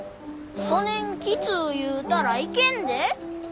そねんきつう言うたらいけんで。